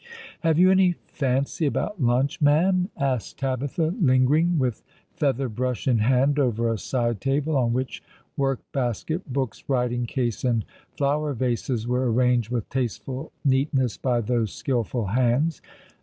" Have you any fancy about lunch, ma'am ?" asked Tabitha, lingering with feather brush in hand over a side table, on which work basket, books, writing case, and flower vases were arranged with tasteful neatness by those skilful hands.